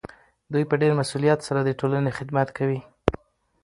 دوی په ډیر مسؤلیت سره د ټولنې خدمت کوي.